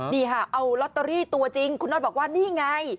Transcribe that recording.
นี่ค่ะเอาลอตเตอรี่ตัวจริงคุณน็อตบอกว่านี่ไง